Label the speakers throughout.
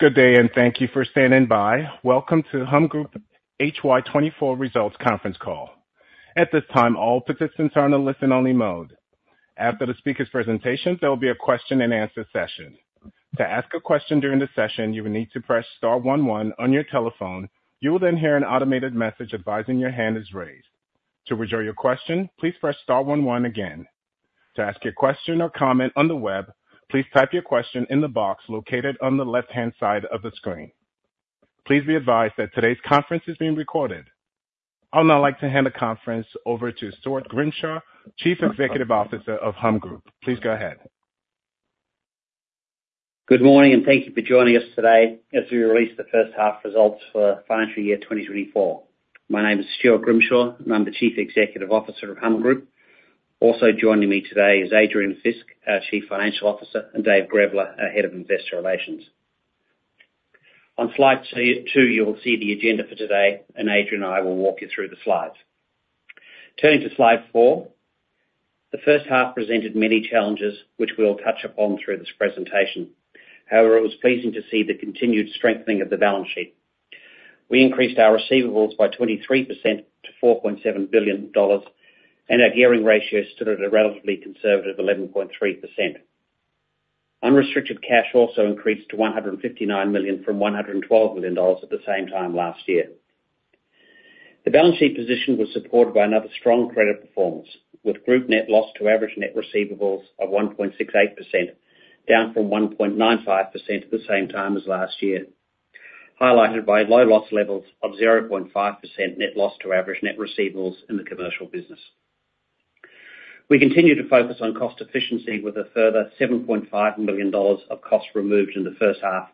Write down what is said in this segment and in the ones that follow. Speaker 1: Good day, and thank you for standing by. Welcome to Humm Group HY 2024 Results Conference Call. At this time, all participants are in a listen-only mode. After the speaker's presentation, there will be a question-and-answer session. To ask a question during the session, you will need to press star one one on your telephone. You will then hear an automated message advising your hand is raised. To reserve your question, please press star one one again. To ask your question or comment on the web, please type your question in the box located on the left-hand side of the screen. Please be advised that today's conference is being recorded. I would now like to hand the conference over to Stuart Grimshaw, Chief Executive Officer of Humm Group. Please go ahead.
Speaker 2: Good morning, and thank you for joining us today as we release the first half results for financial year 2024. My name is Stuart Grimshaw, and I'm the Chief Executive Officer of Humm Group. Also joining me today is Adrian Fisk, Chief Financial Officer, and Dave Grevler, Head of Investor Relations. On slide 2, you will see the agenda for today, and Adrian and I will walk you through the slides. Turning to slide 4, the first half presented many challenges, which we'll touch upon through this presentation. However, it was pleasing to see the continued strengthening of the balance sheet. We increased our receivables by 23% to 4.7 billion dollars, and our gearing ratio stood at a relatively conservative 11.3%. Unrestricted cash also increased to 159 million from 112 million dollars at the same time last year. The balance sheet position was supported by another strong credit performance, with group net loss to average net receivables of 1.68%, down from 1.95% at the same time as last year, highlighted by low loss levels of 0.5% net loss to average net receivables in the commercial business. We continue to focus on cost efficiency, with a further 7.5 million dollars of costs removed in the first half,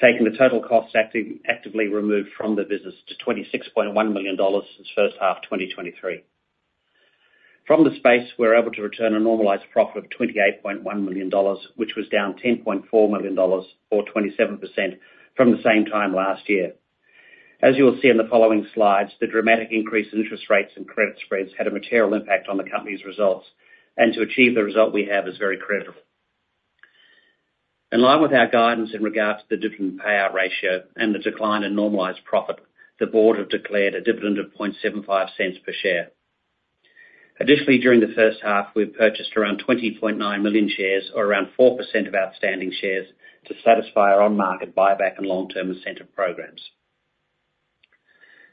Speaker 2: taking the total costs actively removed from the business to 26.1 million dollars since first half 2023. From this base, we were able to return a normalized profit of 28.1 million dollars, which was down 10.4 million dollars or 27% from the same time last year. As you will see in the following slides, the dramatic increase in interest rates and credit spreads had a material impact on the company's results, and to achieve the result we have is very credible. In line with our guidance in regards to the dividend payout ratio and the decline in normalized profit, the board have declared a dividend of 0.75 per share. Additionally, during the first half, we purchased around 20.9 million shares, or around 4% of outstanding shares, to satisfy our on-market buyback and long-term incentive programs.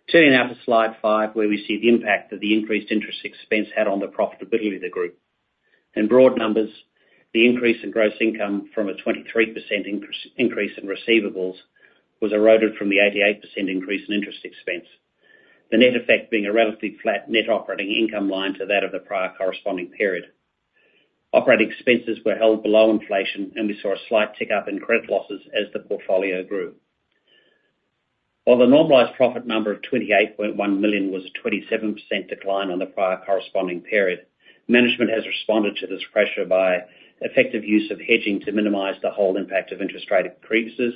Speaker 2: Turning now to slide 5, where we see the impact that the increased interest expense had on the profitability of the group. In broad numbers, the increase in gross income from a 23% increase in receivables was eroded from the 88% increase in interest expense, the net effect being a relatively flat net operating income line to that of the prior corresponding period. Operating expenses were held below inflation, and we saw a slight tick-up in credit losses as the portfolio grew. While the normalized profit number of 28.1 million was a 27% decline on the prior corresponding period, management has responded to this pressure by effective use of hedging to minimize the whole impact of interest rate increases,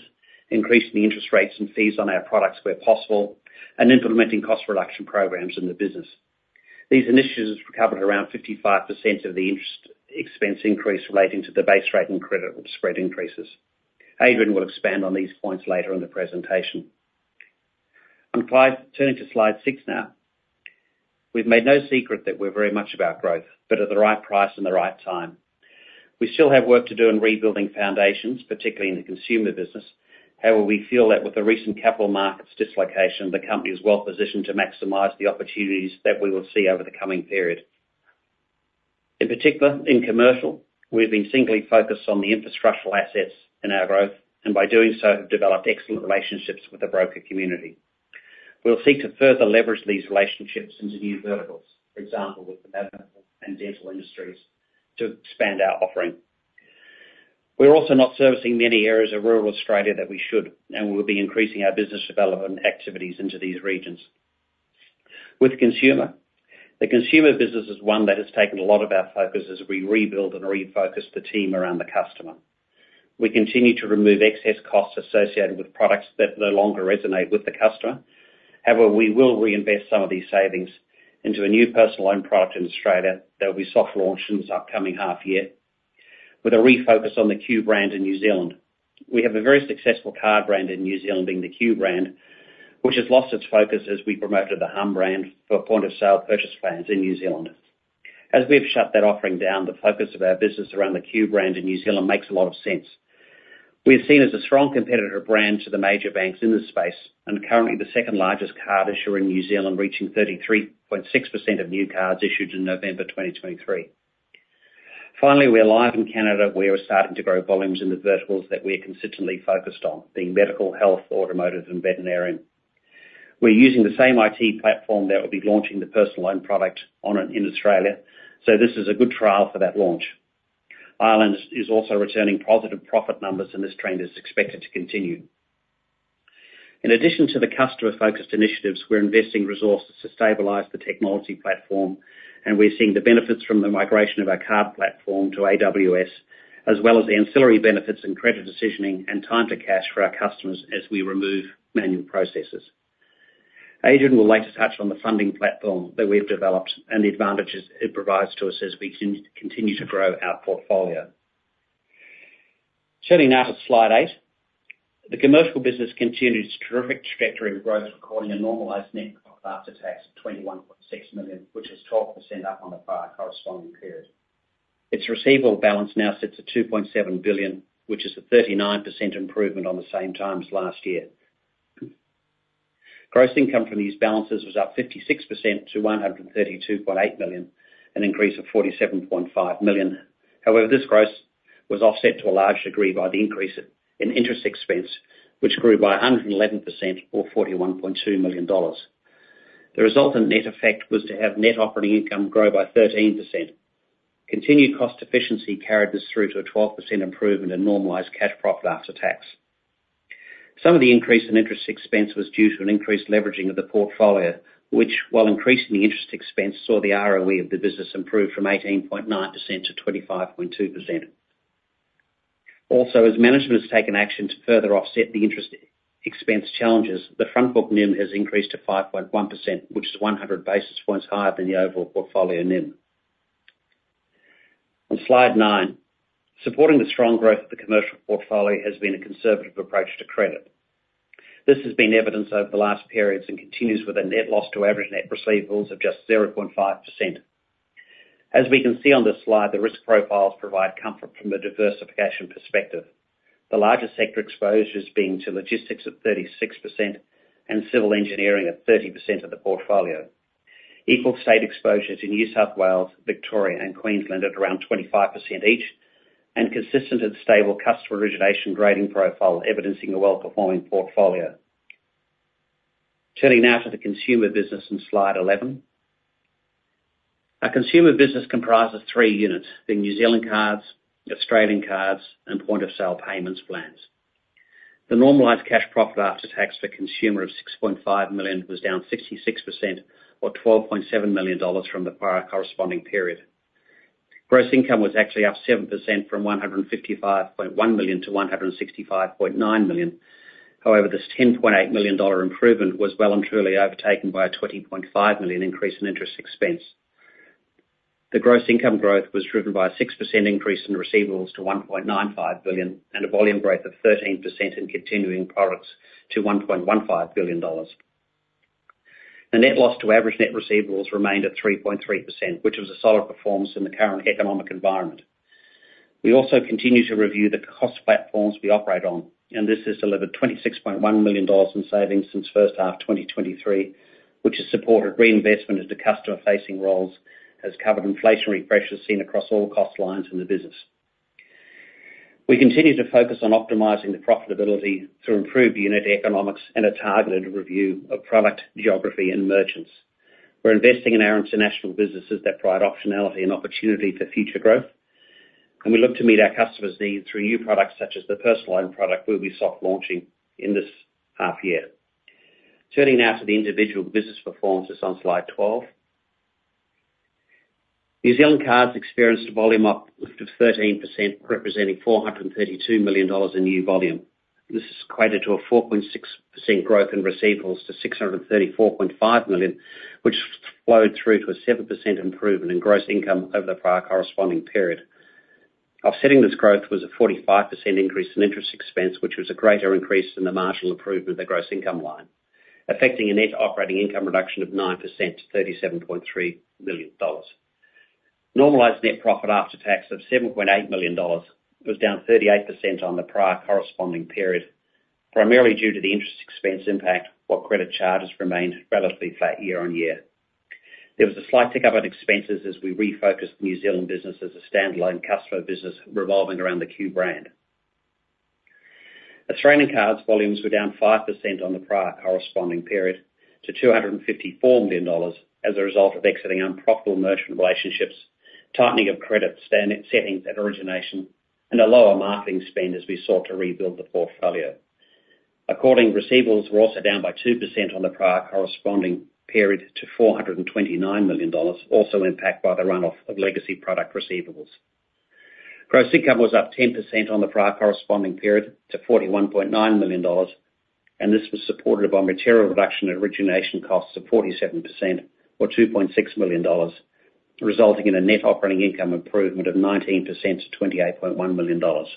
Speaker 2: increasing the interest rates and fees on our products where possible, and implementing cost reduction programs in the business. These initiatives recovered around 55% of the interest expense increase relating to the base rate and credit spread increases. Adrian will expand on these points later in the presentation. Turning to slide 6 now, we've made no secret that we're very much about growth, but at the right price and the right time. We still have work to do in rebuilding foundations, particularly in the consumer business. However, we feel that with the recent capital markets dislocation, the company is well positioned to maximize the opportunities that we will see over the coming period. In particular, in commercial, we've been singly focused on the infrastructural assets in our growth, and by doing so have developed excellent relationships with the broker community. We'll seek to further leverage these relationships into new verticals, for example, with the medical and dental industries, to expand our offering. We're also not servicing many areas of rural Australia that we should, and we'll be increasing our business development activities into these regions. With consumer, the consumer business is one that has taken a lot of our focus as we rebuild and refocus the team around the customer. We continue to remove excess costs associated with products that no longer resonate with the customer. However, we will reinvest some of these savings into a new personal loan product in Australia that will be soft launched in this upcoming half year, with a refocus on the Q brand in New Zealand. We have a very successful card brand in New Zealand, being the Q brand, which has lost its focus as we promoted the humm brand for point-of-sale purchase plans in New Zealand. As we have shut that offering down, the focus of our business around the Q brand in New Zealand makes a lot of sense. We are seen as a strong competitor brand to the major banks in this space and currently the second largest card issuer in New Zealand, reaching 33.6% of new cards issued in November 2023. Finally, we're live in Canada, where we're starting to grow volumes in the verticals that we are consistently focused on, being medical, health, automotive, and veterinarian. We're using the same IT platform that will be launching the personal loan product in Australia, so this is a good trial for that launch. Ireland is also returning positive profit numbers, and this trend is expected to continue. In addition to the customer-focused initiatives, we're investing resources to stabilize the technology platform, and we're seeing the benefits from the migration of our card platform to AWS, as well as the ancillary benefits in credit decisioning and time to cash for our customers as we remove manual processes. Adrian will later touch on the funding platform that we've developed and the advantages it provides to us as we continue to grow our portfolio. Turning now to slide 8, the commercial business continues terrific trajectory in growth, recording a normalized net profit after tax of 21.6 million, which is 12% up on the prior corresponding period. Its receivable balance now sits at 2.7 billion, which is a 39% improvement on the same time as last year. Gross income from these balances was up 56% to 132.8 million, an increase of 47.5 million. However, this gross was offset to a large degree by the increase in interest expense, which grew by 111% or 41.2 million dollars. The resultant net effect was to have net operating income grow by 13%. Continued cost efficiency carried this through to a 12% improvement in normalized cash profit after tax. Some of the increase in interest expense was due to an increased leveraging of the portfolio, which, while increasing the interest expense, saw the ROE of the business improve from 18.9% to 25.2%. Also, as management has taken action to further offset the interest expense challenges, the front-book NIM has increased to 5.1%, which is 100 basis points higher than the overall portfolio NIM. On slide 9, supporting the strong growth of the commercial portfolio has been a conservative approach to credit. This has been evidenced over the last periods and continues with a net loss to average net receivables of just 0.5%. As we can see on this slide, the risk profiles provide comfort from a diversification perspective, the largest sector exposures being to logistics at 36% and civil engineering at 30% of the portfolio. Equal state exposures in New South Wales, Victoria, and Queensland at around 25% each, and consistent and stable customer origination grading profile evidencing a well-performing portfolio. Turning now to the consumer business on slide 11, our consumer business comprises three units, being New Zealand cards, Australian cards, and point-of-sale payment plans. The normalized cash profit after tax for consumer of 6.5 million was down 66% or 12.7 million dollars from the prior corresponding period. Gross income was actually up 7% from 155.1 million to 165.9 million. However, this 10.8 million dollar improvement was well and truly overtaken by a 20.5 million increase in interest expense. The gross income growth was driven by a 6% increase in receivables to 1.95 billion and a volume growth of 13% in continuing products to 1.15 billion dollars. The net loss to average net receivables remained at 3.3%, which was a solid performance in the current economic environment. We also continue to review the cost platforms we operate on, and this has delivered 26.1 million dollars in savings since first half 2023, which has supported reinvestment into customer-facing roles, has covered inflationary pressures seen across all cost lines in the business. We continue to focus on optimizing the profitability through improved unit economics and a targeted review of product geography and merchants. We're investing in our international businesses that provide optionality and opportunity for future growth, and we look to meet our customers' needs through new products such as the personal loan product we'll be soft launching in this half year. Turning now to the individual business performances on slide 12, New Zealand cards experienced a volume uplift of 13%, representing 432 million dollars in new volume. This is credited to a 4.6% growth in receivables to 634.5 million, which flowed through to a 7% improvement in gross income over the prior corresponding period. Offsetting this growth was a 45% increase in interest expense, which was a greater increase than the marginal improvement of the gross income line, affecting a net operating income reduction of 9% to 37.3 million dollars. Normalized net profit after tax of 7.8 million dollars was down 38% on the prior corresponding period, primarily due to the interest expense impact, while credit charges remained relatively flat year-on-year. There was a slight tick-up on expenses as we refocused the New Zealand business as a standalone customer business revolving around the Q brand. Australian cards' volumes were down 5% on the prior corresponding period to 254 million dollars as a result of exiting unprofitable merchant relationships, tightening of credit settings at origination, and a lower marketing spend as we sought to rebuild the portfolio. Average receivables were also down by 2% on the prior corresponding period to 429 million dollars, also impacted by the run-off of legacy product receivables. Gross income was up 10% on the prior corresponding period to 41.9 million dollars, and this was supported by material reduction and origination costs of 47% or 2.6 million dollars, resulting in a net operating income improvement of 19% to 28.1 million dollars.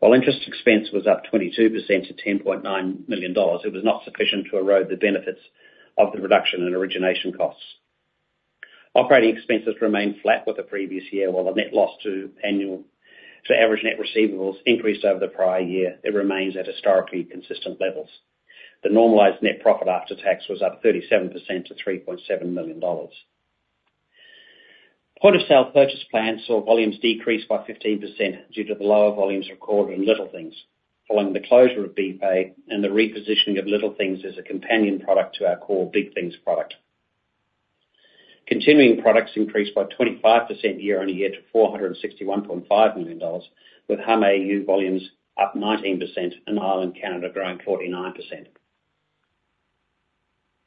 Speaker 2: While interest expense was up 22% to 10.9 million dollars, it was not sufficient to erode the benefits of the reduction in origination costs. Operating expenses remained flat with the previous year, while the net loss to average net receivables increased over the prior year. It remains at historically consistent levels. The normalized net profit after tax was up 37% to 3.7 million dollars. Point-of-sale purchase plans saw volumes decrease by 15% due to the lower volumes recorded in Little Things, following the closure of BPAY and the repositioning of Little Things as a companion product to our core Big Things product. Continuing products increased by 25% year-on-year to 461.5 million dollars, with Humm AU volumes up 19% and Ireland and Canada growing 49%.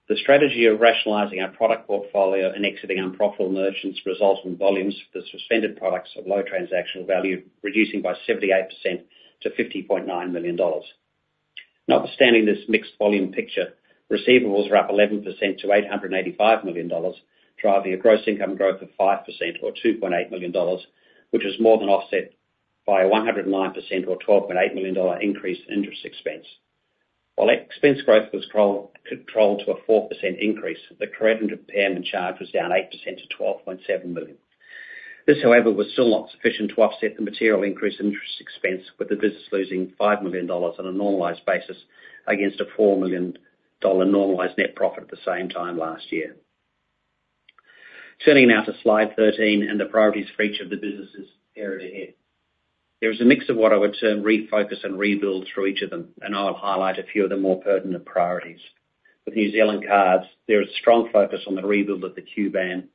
Speaker 2: The strategy of rationalizing our product portfolio and exiting unprofitable merchants resulted in volumes for the suspended products of low transactional value reducing by 78% to 50.9 million dollars. Notwithstanding this mixed volume picture, receivables were up 11% to 885 million dollars, driving a gross income growth of 5% or 2.8 million dollars, which was more than offset by a 109% or 12.8 million dollar increase in interest expense. While expense growth was controlled to a 4% increase, the credit and impairment charge was down 8% to 12.7 million. This, however, was still not sufficient to offset the material increase in interest expense, with the business losing 5 million dollars on a normalized basis against a 4 million dollar normalized net profit at the same time last year. Turning now to slide 13 and the priorities for each of the businesses' period ahead, there is a mix of what I would term refocus and rebuild through each of them, and I will highlight a few of the more pertinent priorities. With New Zealand cards, there is a strong focus on the rebuild of the Q brand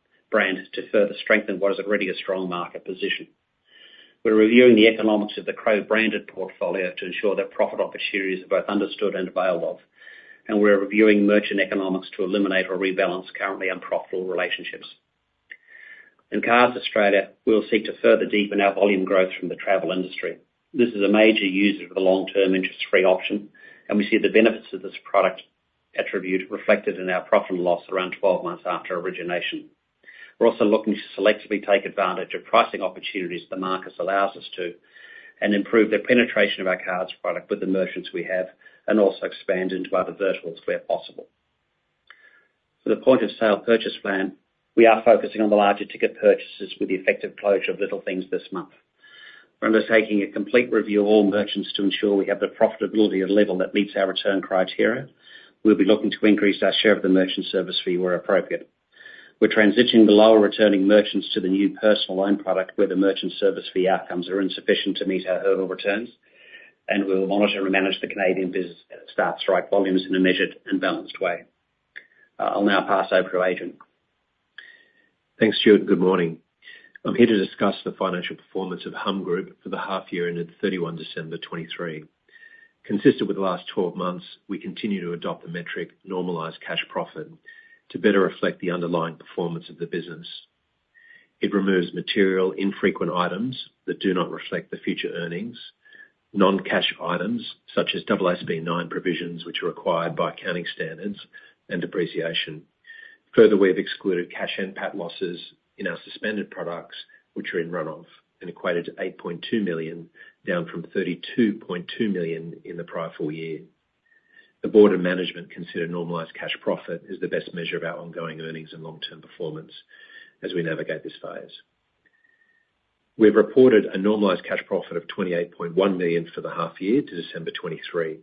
Speaker 2: to further strengthen what is already a strong market position. We're reviewing the economics of the co-branded portfolio to ensure that profit opportunities are both understood and availed of, and we're reviewing merchant economics to eliminate or rebalance currently unprofitable relationships. In Cards Australia, we'll seek to further deepen our volume growth from the travel industry. This is a major user of the long-term interest-free option, and we see the benefits of this product attribute reflected in our profit and loss around 12 months after origination. We're also looking to selectively take advantage of pricing opportunities the market allows us to and improve the penetration of our cards product with the merchants we have and also expand into other verticals where possible. For the point-of-sale payment plan, we are focusing on the larger ticket purchases with the effective closure of Little Things this month. We're undertaking a complete review of all merchants to ensure we have the profitability at a level that meets our return criteria. We'll be looking to increase our share of the merchant service fee where appropriate. We're transitioning the lower-returning merchants to the new personal loan product where the merchant service fee outcomes are insufficient to meet our hurdle returns, and we'll monitor and manage the Canadian businesses to start drive volumes in a measured and balanced way. I'll now pass over to Adrian.
Speaker 3: Thanks, Stuart. Good morning. I'm here to discuss the financial performance of Humm Group for the half year ended 31 December 2023. Consistent with the last 12 months, we continue to adopt the metric normalized cash profit to better reflect the underlying performance of the business. It removes material, infrequent items that do not reflect the future earnings, non-cash items such as AASB 9 provisions, which are required by accounting standards, and depreciation. Further, we have excluded cash and PAT losses in our suspended products, which are in run-off, and equated to 8.2 million, down from 32.2 million in the prior full year. The board and management consider normalized cash profit as the best measure of our ongoing earnings and long-term performance as we navigate this phase. We have reported a normalized cash profit of 28.1 million for the half year to December 2023,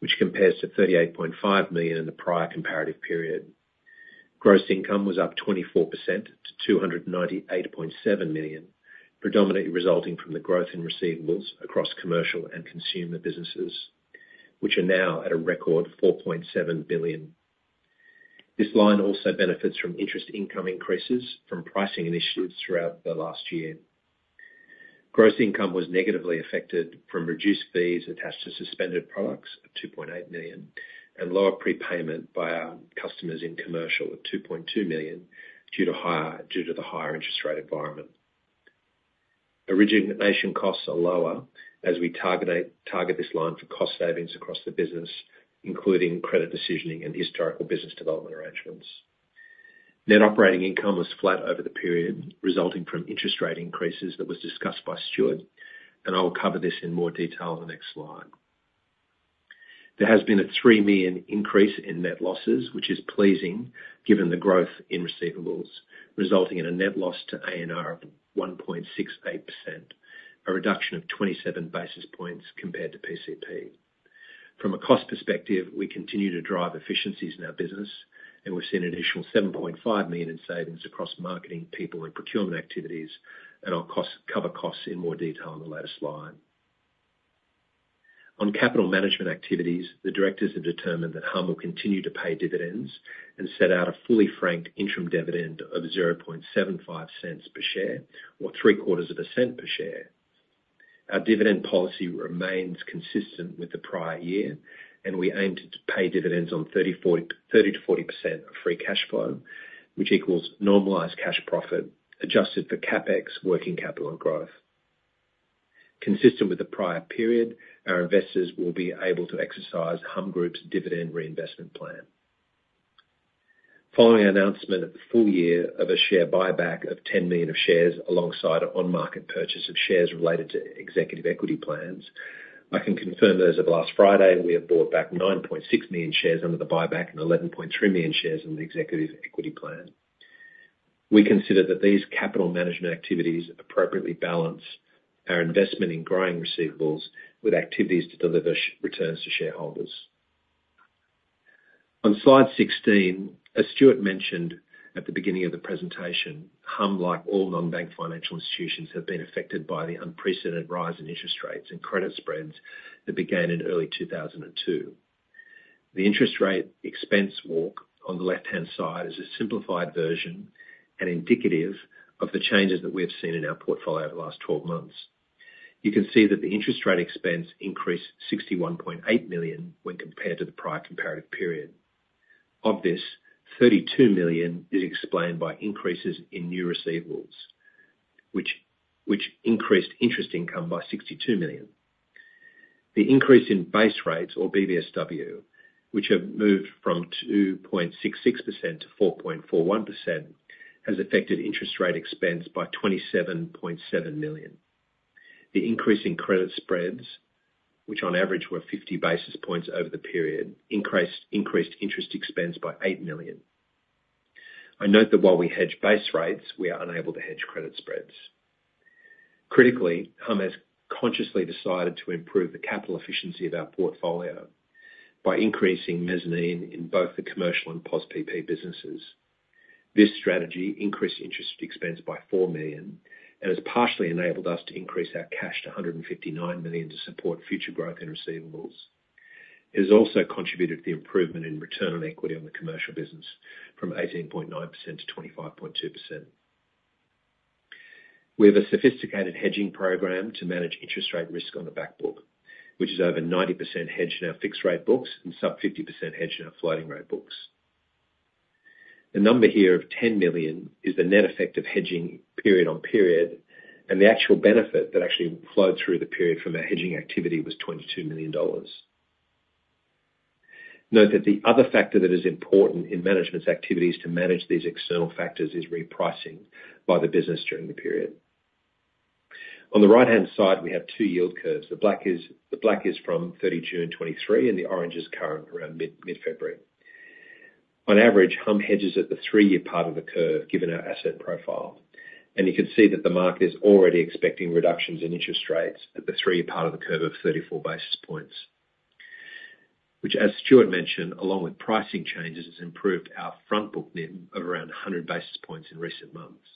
Speaker 3: which compares to 38.5 million in the prior comparative period. Gross income was up 24% to 298.7 million, predominantly resulting from the growth in receivables across commercial and consumer businesses, which are now at a record 4.7 billion. This line also benefits from interest income increases from pricing initiatives throughout the last year. Gross income was negatively affected from reduced fees attached to suspended products of 2.8 million and lower prepayment by our customers in commercial of 2.2 million due to the higher interest rate environment. Origination costs are lower as we target this line for cost savings across the business, including credit decisioning and historical business development arrangements. Net operating income was flat over the period, resulting from interest rate increases that was discussed by Stuart, and I will cover this in more detail on the next slide. There has been an 3 million increase in net losses, which is pleasing given the growth in receivables, resulting in a net loss to ANR of 1.68%, a reduction of 27 basis points compared to PCP. From a cost perspective, we continue to drive efficiencies in our business, and we've seen an additional 7.5 million in savings across marketing, people, and procurement activities, and I'll cover costs in more detail on the latter slide. On capital management activities, the directors have determined that Humm will continue to pay dividends and set out a fully franked interim dividend of 0.75 per share or 3/4 of a cent per share. Our dividend policy remains consistent with the prior year, and we aim to pay dividends on 30%-40% of free cash flow, which equals normalized cash profit adjusted for CapEx, working capital and growth. Consistent with the prior period, our investors will be able to exercise Humm Group's Dividend Reinvestment Plan. Following our announcement of the full year of a share buyback of 10 million shares alongside an on-market purchase of shares related to executive equity plans, I can confirm that as of last Friday, we have bought back 9.6 million shares under the buyback and 11.3 million shares in the executive equity plan. We consider that these capital management activities appropriately balance our investment in growing receivables with activities to deliver returns to shareholders. On slide 16, as Stuart mentioned at the beginning of the presentation, Humm, like all non-bank financial institutions, have been affected by the unprecedented rise in interest rates and credit spreads that began in early 2022. The interest rate expense walk on the left-hand side is a simplified version and indicative of the changes that we have seen in our portfolio over the last 12 months. You can see that the interest rate expense increased 61.8 million when compared to the prior comparative period. Of this, 32 million is explained by increases in new receivables, which increased interest income by 62 million. The increase in base rates or BBSW, which have moved from 2.66% to 4.41%, has affected interest rate expense by 27.7 million. The increase in credit spreads, which on average were 50 basis points over the period, increased interest expense by 8 million. I note that while we hedge base rates, we are unable to hedge credit spreads. Critically, Humm has consciously decided to improve the capital efficiency of our portfolio by increasing mezzanine in both the commercial and POS PP businesses. This strategy increased interest expense by 4 million and has partially enabled us to increase our cash to 159 million to support future growth in receivables. It has also contributed to the improvement in return on equity on the commercial business from 18.9% to 25.2%. We have a sophisticated hedging program to manage interest rate risk on the backbook, which is over 90% hedged in our fixed rate books and sub-50% hedged in our floating rate books. The number here of 10 million is the net effect of hedging period on period, and the actual benefit that actually flowed through the period from our hedging activity was 22 million dollars. Note that the other factor that is important in management's activities to manage these external factors is repricing by the business during the period. On the right-hand side, we have two yield curves. The black is from 30 June 2023, and the orange is current around mid-February. On average, Humm hedges at the three-year part of the curve given our asset profile. You can see that the market is already expecting reductions in interest rates at the three-year part of the curve of 34 basis points, which, as Stuart mentioned, along with pricing changes, has improved our frontbook NIM of around 100 basis points in recent months.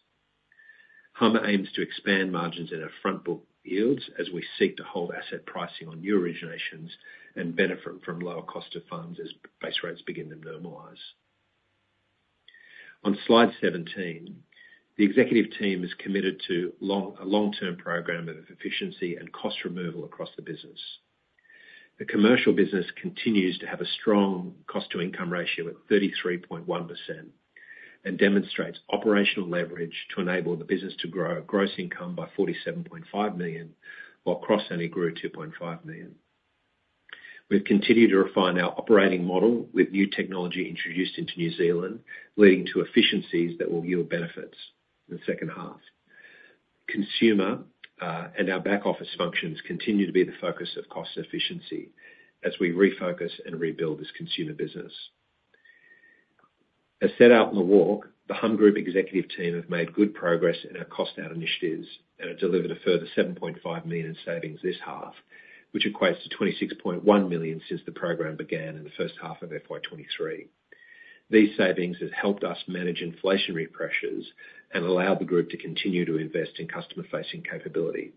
Speaker 3: Humm aims to expand margins in our frontbook yields as we seek to hold asset pricing on new originations and benefit from lower cost of funds as base rates begin to normalize. On slide 17, the executive team is committed to a long-term program of efficiency and cost removal across the business. The commercial business continues to have a strong cost-to-income ratio at 33.1% and demonstrates operational leverage to enable the business to grow gross income by 47.5 million, while costs annually grew 2.5 million. We've continued to refine our operating model with new technology introduced into New Zealand, leading to efficiencies that will yield benefits in the second half. Consumer and our back office functions continue to be the focus of cost efficiency as we refocus and rebuild this consumer business. As set out in the walk, the Humm Group executive team have made good progress in our cost-out initiatives and have delivered a further 7.5 million in savings this half, which equates to 26.1 million since the program began in the first half of FY 2023. These savings have helped us manage inflationary pressures and allow the group to continue to invest in customer-facing capability.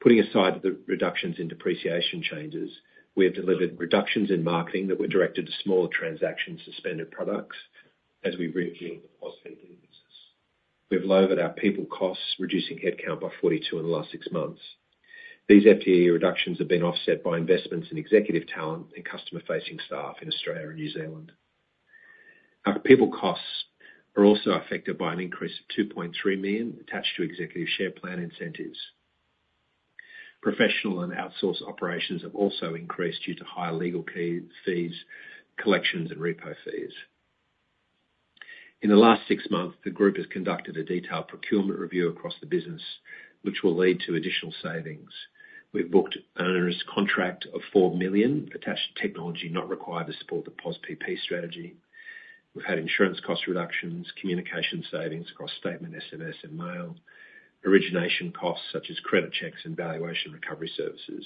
Speaker 3: Putting aside the reductions in depreciation changes, we have delivered reductions in marketing that were directed to smaller transaction suspended products as we rebuild the POS PP business. We've lowered our people costs, reducing headcount by 42 in the last six months. These FTE reductions have been offset by investments in executive talent and customer-facing staff in Australia and New Zealand. Our people costs are also affected by an increase of 2.3 million attached to executive share plan incentives. Professional and outsourced operations have also increased due to higher legal fees, collections, and repo fees. In the last six months, the group has conducted a detailed procurement review across the business, which will lead to additional savings. We've booked an onerous contract of 4 million attached to technology not required to support the POS PP strategy. We've had insurance cost reductions, communication savings across statement, SMS, and mail, origination costs such as credit checks and valuation recovery services,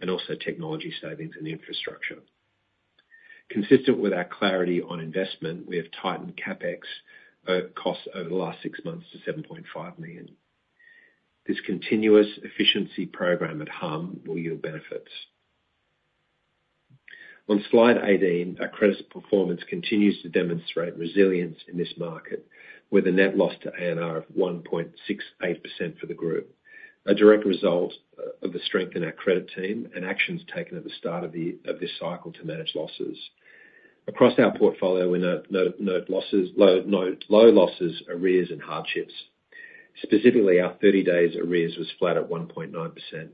Speaker 3: and also technology savings in infrastructure. Consistent with our clarity on investment, we have tightened CapEx costs over the last six months to 7.5 million. This continuous efficiency program at Humm will yield benefits. On slide 18, our credit performance continues to demonstrate resilience in this market with a net loss to ANR of 1.68% for the group, a direct result of the strength in our credit team and actions taken at the start of this cycle to manage losses. Across our portfolio, we note low losses, arrears, and hardships. Specifically, our 30-days arrears was flat at 1.9%.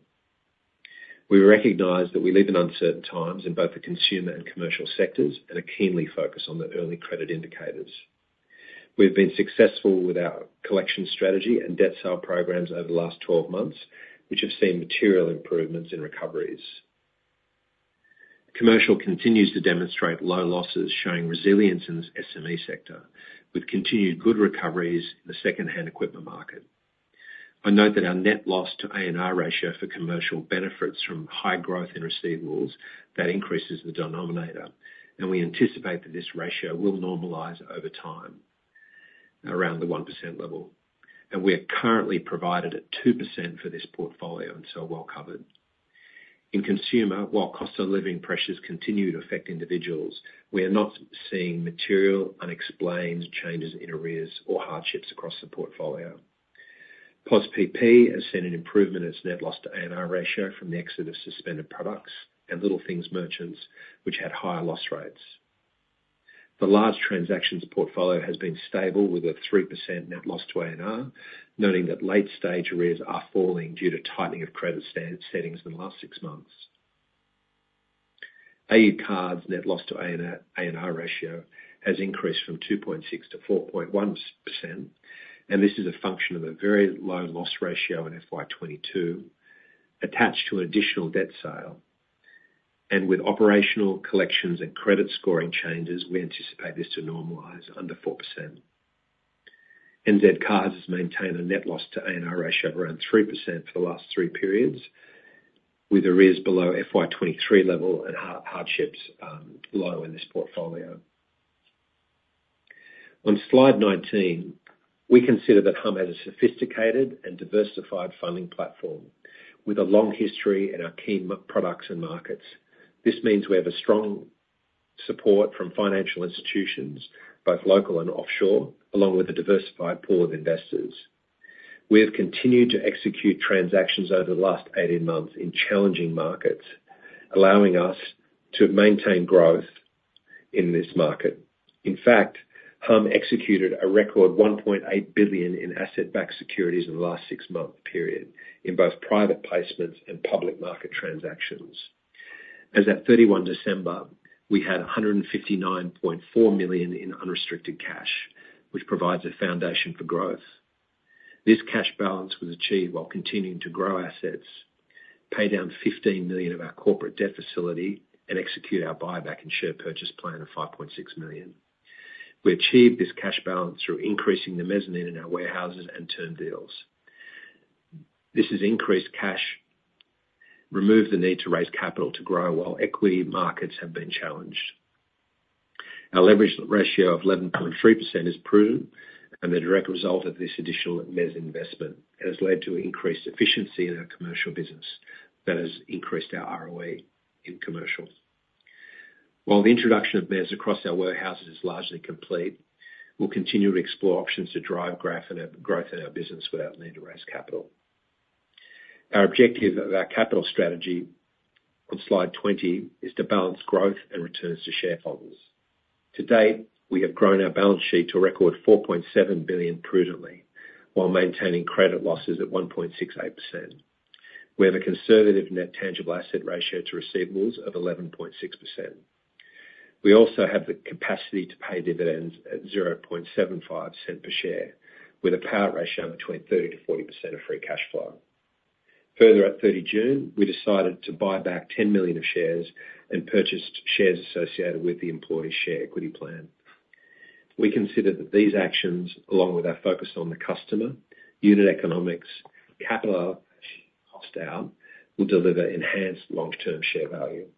Speaker 3: We recognize that we live in uncertain times in both the consumer and commercial sectors and are keenly focused on the early credit indicators. We have been successful with our collection strategy and debt sale programs over the last 12 months, which have seen material improvements in recoveries. Commercial continues to demonstrate low losses, showing resilience in the SME sector with continued good recoveries in the second-hand equipment market. I note that our net loss to ANR ratio for commercial benefits from high growth in receivables increases the denominator, and we anticipate that this ratio will normalize over time around the 1% level. We are currently provided at 2% for this portfolio and so well covered. In consumer, while cost of living pressures continue to affect individuals, we are not seeing material, unexplained changes in arrears or hardships across the portfolio. POS PP has seen an improvement in its net loss to ANR ratio from the exit of suspended products and Little Things merchants, which had higher loss rates. The large transactions portfolio has been stable with a 3% net loss to ANR, noting that late-stage arrears are falling due to tightening of credit settings in the last six months. AU cards net loss to ANR ratio has increased from 2.6% to 4.1%, and this is a function of a very low loss ratio in FY 2022 attached to an additional debt sale. With operational collections and credit scoring changes, we anticipate this to normalize under 4%. NZ cards has maintained a net loss to ANR ratio of around 3% for the last three periods with arrears below FY 2023 level and hardships low in this portfolio. On slide 19, we consider that Humm has a sophisticated and diversified funding platform with a long history in our key products and markets. This means we have a strong support from financial institutions, both local and offshore, along with a diversified pool of investors. We have continued to execute transactions over the last 18 months in challenging markets, allowing us to maintain growth in this market. In fact, Humm executed a record 1.8 billion in asset-backed securities in the last six-month period in both private placements and public market transactions. As of 31 December, we had 159.4 million in unrestricted cash, which provides a foundation for growth. This cash balance was achieved while continuing to grow assets, pay down 15 million of our corporate debt facility, and execute our buyback and share purchase plan of 5.6 million. We achieved this cash balance through increasing the mezzanine in our warehouses and term deals. This has increased cash, removed the need to raise capital to grow while equity markets have been challenged. Our leverage ratio of 11.3% is prudent and the direct result of this additional mezz investment has led to increased efficiency in our commercial business that has increased our ROE in commercial. While the introduction of mezz across our warehouses is largely complete, we'll continue to explore options to drive growth in our business without need to raise capital. Our objective of our capital strategy on slide 20 is to balance growth and returns to shareholders. To date, we have grown our balance sheet to a record 4.7 billion prudently while maintaining credit losses at 1.68%. We have a conservative net tangible asset ratio to receivables of 11.6%. We also have the capacity to pay dividends at 0.75 cents per share with a payout ratio between 30%-40% of free cash flow. Further at 30 June, we decided to buy back 10 million of shares and purchased shares associated with the employee share equity plan. We consider that these actions, along with our focus on the customer, unit economics, capital, and cost out, will deliver enhanced long-term share value.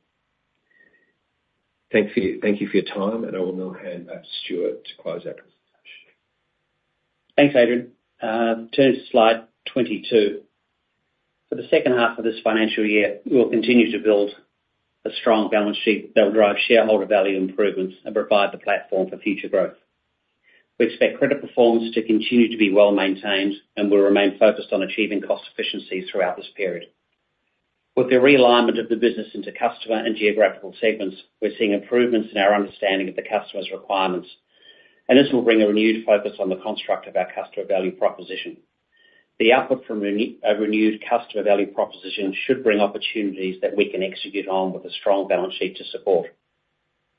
Speaker 3: Thank you for your time, and I will now hand back to Stuart to close our presentation.
Speaker 2: Thanks, Adrian. Turning to slide 22. For the second half of this financial year, we will continue to build a strong balance sheet that will drive shareholder value improvements and provide the platform for future growth. We expect credit performance to continue to be well maintained, and we'll remain focused on achieving cost efficiencies throughout this period. With the realignment of the business into customer and geographical segments, we're seeing improvements in our understanding of the customer's requirements. This will bring a renewed focus on the construct of our customer value proposition. The output from a renewed customer value proposition should bring opportunities that we can execute on with a strong balance sheet to support.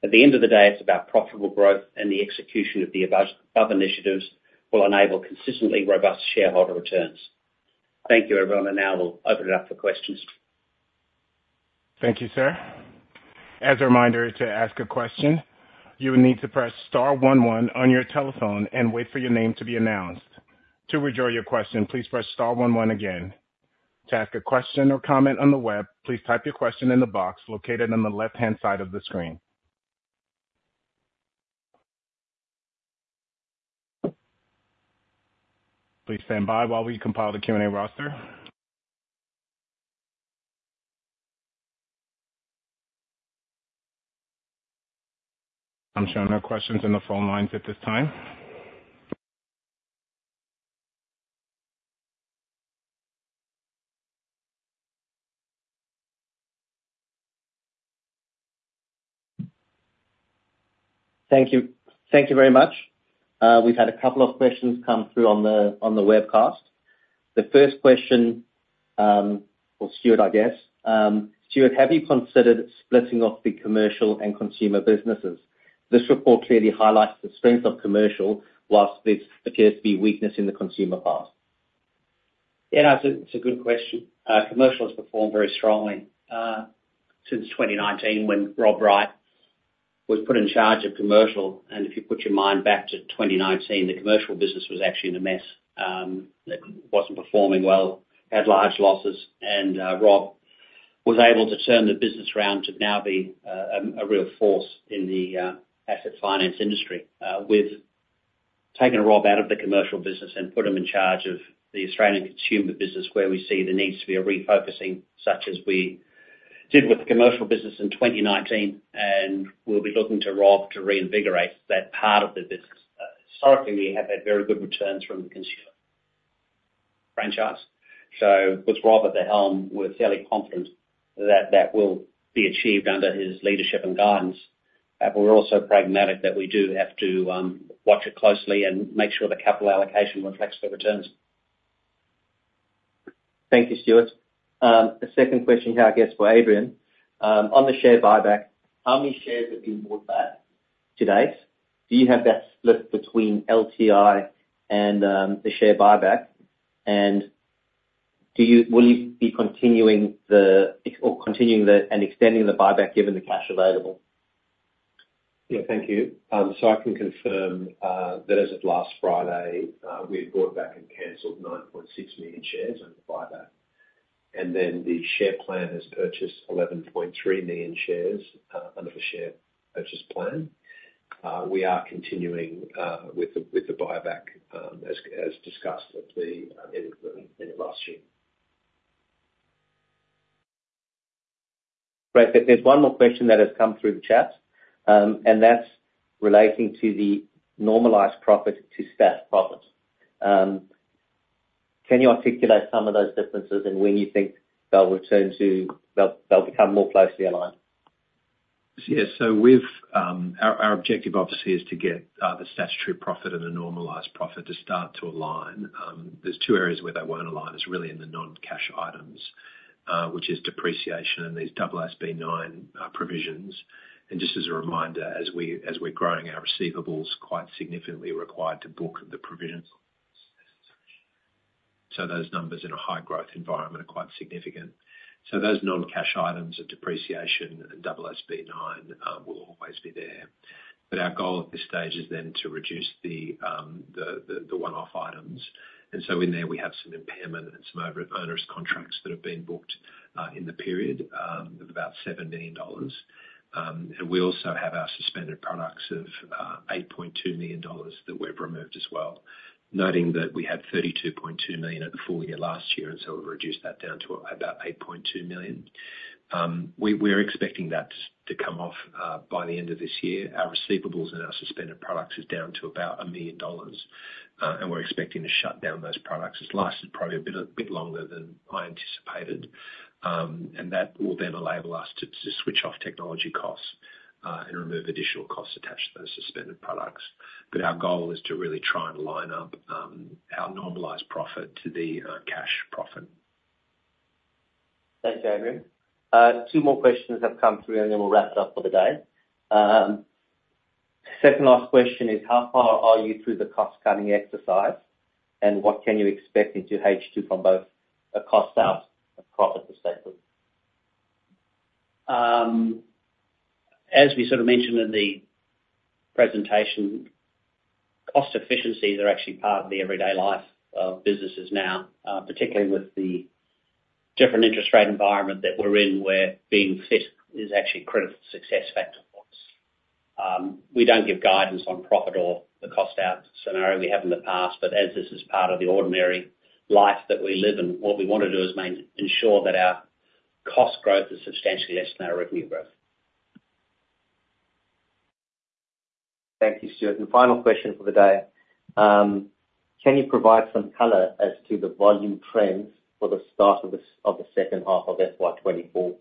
Speaker 2: At the end of the day, it's about profitable growth, and the execution of the above initiatives will enable consistently robust shareholder returns. Thank you, everyone. Now we'll open it up for questions.
Speaker 1: Thank you, sir. As a reminder to ask a question, you will need to press star one one on your telephone and wait for your name to be announced. To rejoin your question, please press star one one again. To ask a question or comment on the web, please type your question in the box located on the left-hand side of the screen. Please stand by while we compile the Q&A roster. I'm showing no questions in the phone lines at this time.
Speaker 4: Thank you. Thank you very much. We've had a couple of questions come through on the webcast. The first question for Stuart, I guess. Stuart, have you considered splitting off the commercial and consumer businesses? This report clearly highlights the strengths of commercial whilst this appears to be a weakness in the consumer part.
Speaker 2: Yeah, no. It's a good question. Commercial has performed very strongly since 2019 when Rob Wright was put in charge of commercial. And if you put your mind back to 2019, the commercial business was actually in a mess. It wasn't performing well, had large losses. And Rob was able to turn the business around to now be a real force in the asset finance industry with taking Rob out of the commercial business and put him in charge of the Australian consumer business where we see the need to be refocusing such as we did with the commercial business in 2019. And we'll be looking to Rob to reinvigorate that part of the business. Historically, we have had very good returns from the consumer franchise. So with Rob at the helm, we're fairly confident that that will be achieved under his leadership and guidance. But we're also pragmatic that we do have to watch it closely and make sure the capital allocation reflects the returns.
Speaker 4: Thank you, Stuart. The second question here, I guess, for Adrian. On the share buyback, how many shares have been bought back to date? Do you have that split between LTI and the share buyback? And will you be continuing and extending the buyback given the cash available?
Speaker 3: Yeah, thank you. So I can confirm that as of last Friday, we had bought back and canceled 9.6 million shares under the buyback. Then the share plan has purchased 11.3 million shares under the share purchase plan. We are continuing with the buyback as discussed at the end of last year. Great. There's one more question that has come through the chat, and that's relating to the normalized profit to statutory profit. Can you articulate some of those differences and when you think they'll become more closely aligned? Yes. So our objective, obviously, is to get the statutory profit and the normalized profit to start to align. There's two areas where they won't align. It's really in the non-cash items, which is depreciation and these AASB 9 provisions. Just as a reminder, as we're growing, our receivables are quite significantly required to book the provisions. So those numbers in a high-growth environment are quite significant. So those non-cash items of depreciation and AASB 9 will always be there. But our goal at this stage is then to reduce the one-off items. And so in there, we have some impairment and some onerous contracts that have been booked in the period of about 7 million dollars. And we also have our suspended products of 8.2 million dollars that we've removed as well, noting that we had 32.2 million at the full year last year. And so we've reduced that down to about 8.2 million. We're expecting that to come off by the end of this year. Our receivables and our suspended products are down to about 1 million dollars. And we're expecting to shut down those products. It's lasted probably a bit longer than I anticipated. And that will then enable us to switch off technology costs and remove additional costs attached to those suspended products. But our goal is to really try and line up our normalized profit to the cash profit.
Speaker 4: Thanks, Adrian. Two more questions have come through, and then we'll wrap it up for the day. Second last question is, how far are you through the cost-cutting exercise? And what can you expect into H2 from both a cost out and profit to stakeholders?
Speaker 3: As we sort of mentioned in the presentation, cost efficiencies are actually part of the everyday life of businesses now, particularly with the different interest rate environment that we're in where being fit is actually a critical success factor for us. We don't give guidance on profit or the cost out scenario we have in the past. But as this is part of the ordinary life that we live in, what we want to do is ensure that our cost growth is substantially less than our revenue growth.
Speaker 4: Thank you, Stuart. Final question for the day. Can you provide some color as to the volume trends for the start of the second half of FY 2024?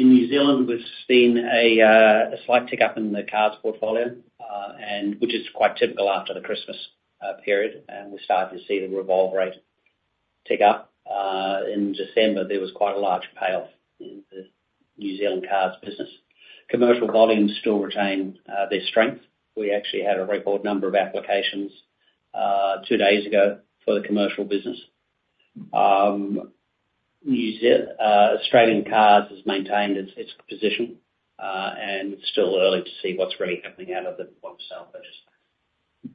Speaker 2: In New Zealand, we've seen a slight tick up in the cards portfolio, which is quite typical after the Christmas period. And we started to see the revolve rate tick up. In December, there was quite a large payoff in the New Zealand cards business. Commercial volumes still retain their strength. We actually had a record number of applications two days ago for the commercial business. Australian cards have maintained its position, and it's still early to see what's really happening out of the point-of-sale purchase plan.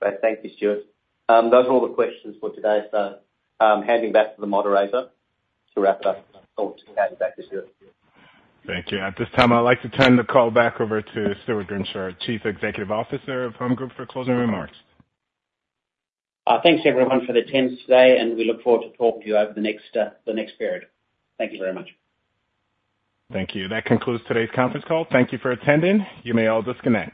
Speaker 4: Great. Thank you, Stuart. Those are all the questions for today. Handing back to the moderator to wrap it up. I'll hand it back to Stuart.
Speaker 1: Thank you. At this time, I'd like to turn the call back over to Stuart Grimshaw, Chief Executive Officer of Humm Group for closing remarks.
Speaker 2: Thanks, everyone, for the attendance today. We look forward to talking to you over the next period. Thank you very much.
Speaker 1: Thank you. That concludes today's conference call. Thank you for attending. You may all disconnect.